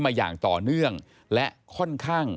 มาอย่างต่อเนื่องและค่อนข้าง